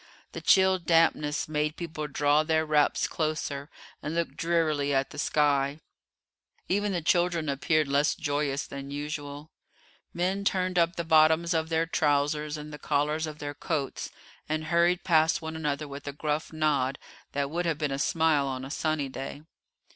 The chill dampness made people draw their wraps closer, and look drearily at the sky. Even the children appeared less joyous than usual. Men turned up the bottoms of their trousers and the collars of their coats, and hurried past one another with a gruff nod that would have been a smile on a sunny day.